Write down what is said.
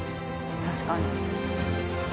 確かに。